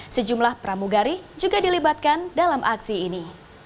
sejumlah pramugari juga dilibatkan dalam aksi ini